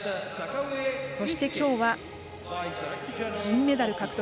そして、きょうが銀メダル獲得。